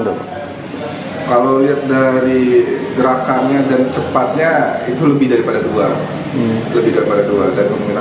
kalau lihat dari gerakannya dan cepatnya itu lebih daripada dua